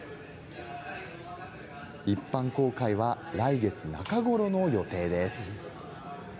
一般公開は来月中ごろの予定です。